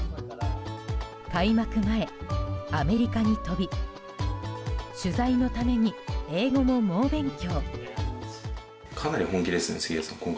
開幕前、アメリカに飛び取材のために英語も猛勉強。